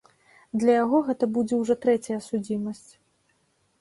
Для яго гэта будзе ўжо трэцяя судзімасць.